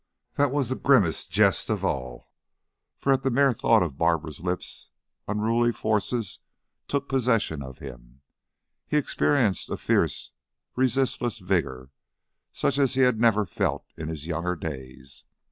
That was the grimmest jest of all, for at the mere thought of Barbara's lips unruly forces took possession of him; he experienced a fierce, resistless vigor such as he had never felt in his younger days.